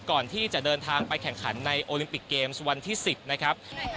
ก่อนที่จะเดินทางไปแข่งขันในโอลิมปิกเกมส์วันที่๑๐นะครับ